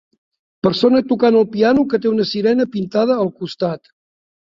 Persona tocant el piano que té una sirena pintada al costat.